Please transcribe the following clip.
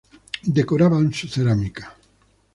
Decoraban su cerámica.